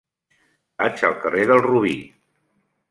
Vaig al carrer del Robí.